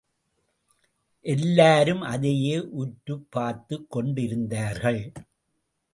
எல்லாரும் அதையே உற்றுப் பார்த்துக்கொண்டிருந்தார்கள்.